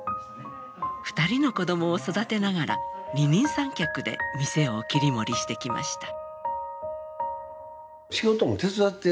２人の子供を育てながら二人三脚で店を切り盛りしてきました。